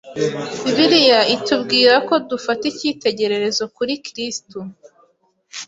Bibiliya itubwira ko dufata icyitegererezo kuri Kirisitu